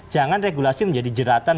jangan regulasi menjadi jeratan